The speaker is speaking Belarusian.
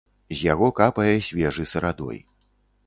З яго капае свежы сырадой.